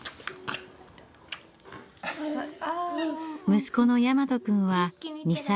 息子の大和くんは２歳半。